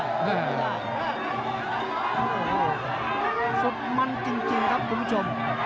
โอ้โหสุดมันจริงครับคุณผู้ชม